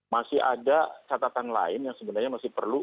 masih ada catatan lain yang sebenarnya masih perlu